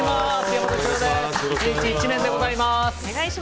１日１麺でございます。